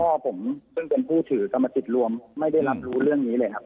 พ่อผมซึ่งเป็นผู้ถือกรรมสิทธิ์รวมไม่ได้รับรู้เรื่องนี้เลยครับ